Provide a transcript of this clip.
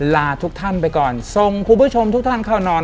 ลาทุกท่านไปก่อนส่งคุณผู้ชมทุกท่านเข้านอน